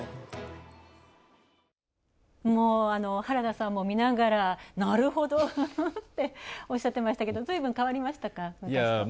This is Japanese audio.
原田さんも見ながら、なるほどっておっしゃってましたが、ずいぶん変わりましたか？